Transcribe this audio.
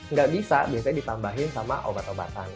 nggak bisa biasanya ditambahin sama obat obatan